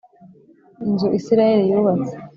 inzu Isirayeli yubatse